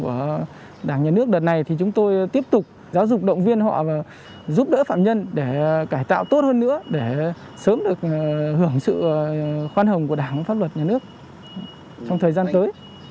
của đảng nhà nước đợt này thì chúng tôi tiếp tục giáo dục động viên họ giúp đỡ phạm nhân để cải tạo tốt hơn nữa để sớm được hưởng sự khoan hồng của đảng pháp luật nhà nước trong thời gian tới